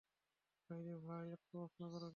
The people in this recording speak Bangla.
ভাইরে ভাই, এত্ত প্রশ্ন করো ক্যান?